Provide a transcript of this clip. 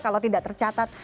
kalau tidak tercatat